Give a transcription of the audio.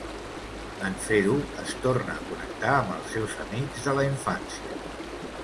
En fer-ho, es torna a connectar amb els seus amics de la infància.